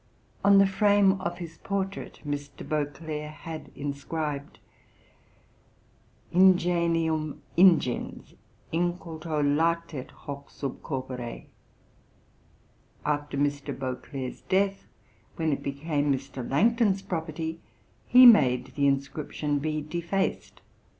On the frame of his portrait, Mr. Beauclerk had inscribed, ' Ingenium ingens Inculto latet hoc sub corpore.' After Mr. Beauclerk's death, when it became Mr. Langton's property, he made the inscription be defaced.